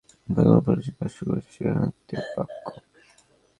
বাঘের আগমনকে কেন্দ্র করে খাঁচা পরিচ্ছন্ন করার কাজ শুরু করেছে চিড়িয়াখানা কর্তৃপক্ষ।